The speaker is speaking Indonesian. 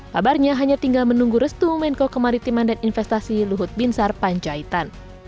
kabarnya hanya tinggal menunggu restu menko kemaritiman dan investasi luhut binsar panjaitan